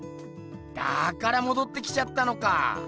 だからもどってきちゃったのか。